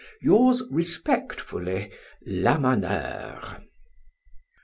"Yours respectfully," "LAMANEUR."